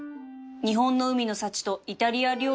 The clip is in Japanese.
日本の海の幸とイタリア料理の融合